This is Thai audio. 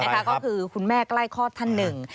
ก็คือคุณแม่ใกล้คลอดท่านหนึ่ง